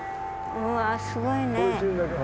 うわすごいね。